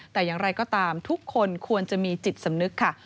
แต่อย่างไรก็ตามทุกคนควรจะมีจิตสำนึกค่ะ